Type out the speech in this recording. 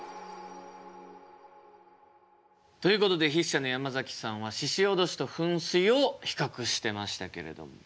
ということで筆者の山崎さんは鹿おどしと噴水を比較してましたけれども。